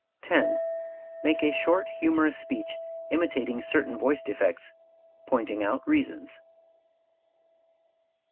10. Make a short humorous speech imitating certain voice defects, pointing out reasons.